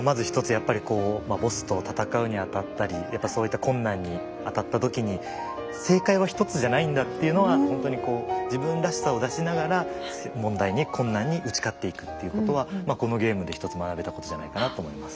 やっぱりボスと戦うにあたったりやっぱそういった困難にあたった時に正解は一つじゃないんだっていうのは本当に自分らしさを出しながら問題に困難に打ち勝っていくということはこのゲームで一つ学べたことじゃないかなと思います。